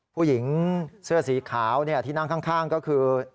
ผู้หญิงเสื้อสีขาวที่นั่งข้างก็คือ